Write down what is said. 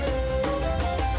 terima kasih teman teman